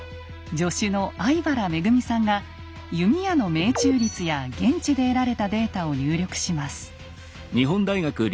助手の粟飯原萌さんが弓矢の命中率や現地で得られたデータを入力します。